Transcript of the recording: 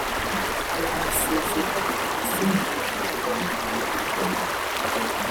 Aya masezerano yasinyiwe i Kigali kuri uyu wa Kane